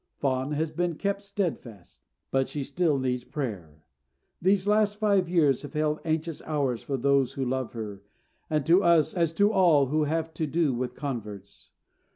Fawn has been kept steadfast, but she still needs prayer. These last five years have held anxious hours for those who love her, and to us, as to all who have to do with converts.